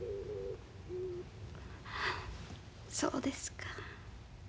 そうですか。